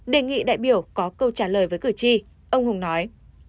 đề nghị đại biểu có câu trả lời với cử tri ông hùng nói